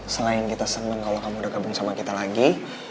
selain kita seneng kalau kamu udah gabung sama kita lagi